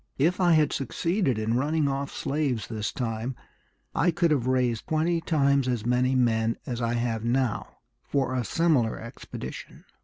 If I had succeeded in running off slaves this time, I could have raised twenty times as many men as I have now for a similar expedition.